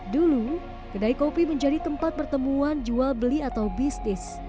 dulu kedai kopi menjadi tempat pertemuan jual beli atau bisnis